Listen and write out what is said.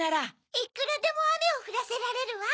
いくらでもアメをふらせられるわ！